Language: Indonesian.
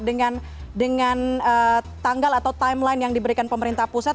dengan tanggal atau timeline yang diberikan pemerintah pusat